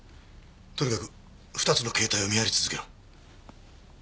とにかく２つの携帯を見張り続けろ。